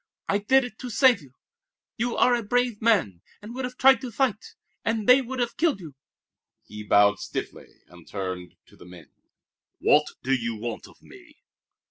"I did it to save you. You are a brave man, and would have tried to fight, and they would have killed you!" He bowed stiffly and turned to the men. "What do you want of me?"